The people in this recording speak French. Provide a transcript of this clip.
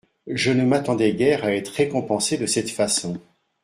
Je ne m'attendais guère à être récompensé de cette façon.